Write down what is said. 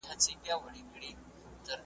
د ماشوم عقل په کاڼو هوښیارانو یم ویشتلی `